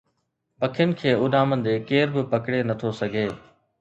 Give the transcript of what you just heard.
پکين کي اڏامندي ڪير به پڪڙي نٿو سگهي